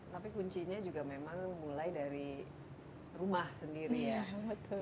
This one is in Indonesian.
tapi kuncinya juga memang mulai dari rumah sendiri ya